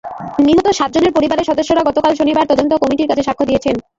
নিহত সাতজনের পরিবারের সদস্যরা গতকাল শনিবার তদন্ত কমিটির কাছে সাক্ষ্য দিয়েছেন।